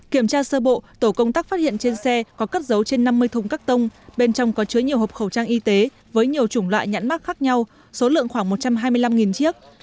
kiểm tra sơ bộ tổ công tác phát hiện trên xe có cất dấu trên năm mươi thùng cắt tông bên trong có chứa nhiều hộp khẩu trang y tế với nhiều chủng loại nhãn mắc khác nhau số lượng khoảng một trăm hai mươi năm chiếc